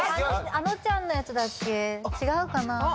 ａｎｏちゃんのやつだっけ違うかな？